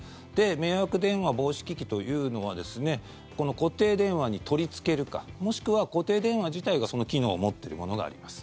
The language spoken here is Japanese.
迷惑電話防止機器というのは固定電話に取りつけるかもしくは固定電話自体がその機能を持っているものがあります。